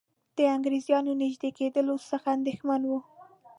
د انګریزانو نیژدې کېدلو څخه اندېښمن وو.